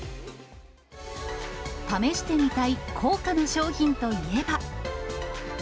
試してみたい高価な商品といえば。